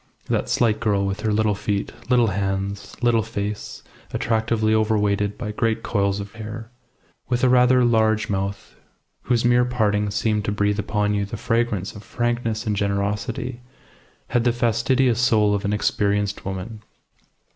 That slight girl, with her little feet, little hands, little face attractively overweighted by great coils of hair; with a rather large mouth, whose mere parting seemed to breathe upon you the fragrance of frankness and generosity, had the fastidious soul of an experienced woman.